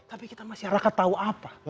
tapi kita masih harapkan tau apa